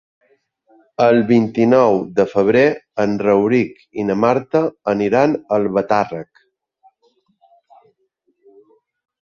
El vint-i-nou de febrer en Rauric i na Marta aniran a Albatàrrec.